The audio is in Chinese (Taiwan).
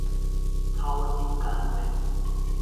超英趕美